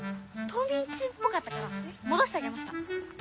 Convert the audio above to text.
冬みん中っぽかったからもどしてあげました。